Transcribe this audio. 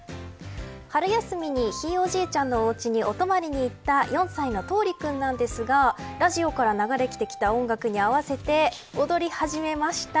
春休みに、ひいおじいちゃんの家にお泊りにいった４歳のとうり君なんですがラジオから流れてきた音楽に合わせて踊り始めました。